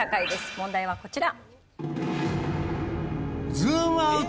問題はこちら。